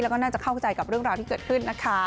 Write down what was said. แล้วก็น่าจะเข้าใจกับเรื่องราวที่เกิดขึ้นนะคะ